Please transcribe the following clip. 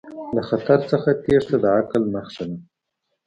له خطر څخه تیښته د عقل نښه ده.